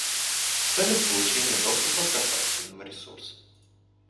В целях получения доступа к корпоративным ресурсам